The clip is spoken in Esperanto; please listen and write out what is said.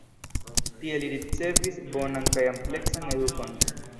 Tie li ricevis bonan kaj ampleksan edukon.